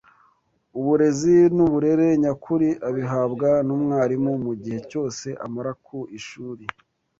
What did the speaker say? Uburezi n’uburere nyakuri abihabwa n’umwarimu mu gihe cyose amara ku ishuri